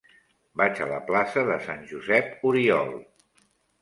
Vaig a la plaça de Sant Josep Oriol.